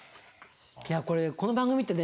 いやこれこの番組ってね